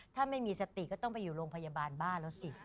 ถ้าไม่มีสติก็ต้องไปอยู่โรงพยาบาลบ้านแล้วสิ